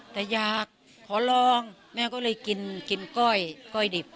แต่อยากขอลองแม่ก็เลยกินกินก้อยก้อยดิบ